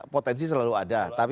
potensi selalu ada